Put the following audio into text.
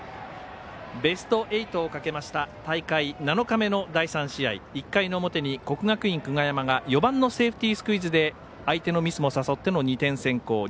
ベスト８をかけました大会７日目の第３試合１回の表に国学院久我山が４番のセーフティースクイズで相手のミスも誘っての２点先行。